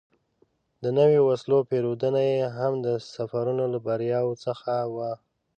د نویو وسلو پېرودنه یې هم د سفرونو له بریاوو څخه وه.